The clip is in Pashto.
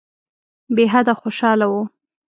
بېحده خوشاله وو.